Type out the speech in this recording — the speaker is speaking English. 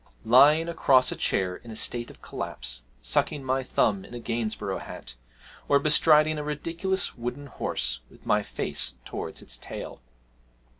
lying across a chair in a state of collapse, sucking my thumb in a Gainsborough hat, or bestriding a ridiculous wooden horse with my face towards its tail!